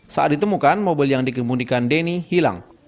saat ditemukan mobil yang dikembunikan deni hilang